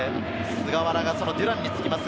菅原がデュランにつきます。